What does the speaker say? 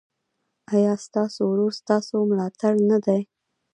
ایا ستاسو ورور ستاسو ملاتړ نه دی؟